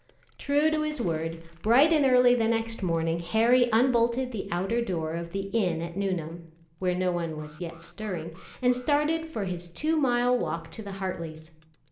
True to his word, bright and early the next morning Harry unbolted the outer door of the inn at Nuneham, where no one was yet stirring, and started for his two mile walk to the Hartleys'.